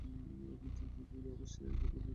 তিনি আমাসিয়ার গভর্নর নিযুক্ত হন।